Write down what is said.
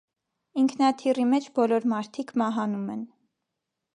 Ինքնաթիռի մեջ բոլոր մարդիկ մահանում են։